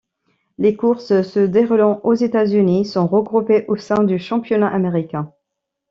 Les courses se déroulant aux États-Unis sont regroupées au sein du Championnat américain.